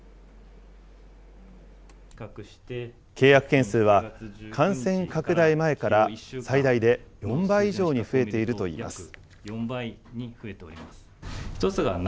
契約件数は、感染拡大前から最大で４倍以上に増えているといいます。